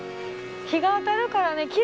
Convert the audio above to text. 日が当たるからね